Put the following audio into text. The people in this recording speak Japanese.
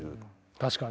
確かに。